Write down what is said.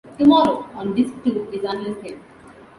"Tomorrow" on Disc Two is unlisted.